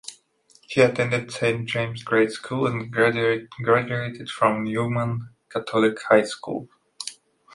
He attended Saint James Grade School and graduated from Newman Catholic High School.